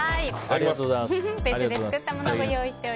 ありがとうございます。